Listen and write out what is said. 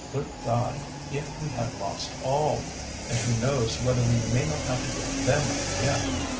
Good God! if we had lost all! And who knows whether we may not have to give them up yet."